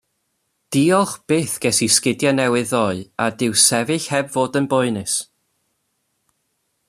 Diolch byth ges i sgidie newydd ddoe a dyw sefyll heb fod yn boenus.